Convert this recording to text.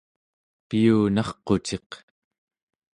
piyunarquciq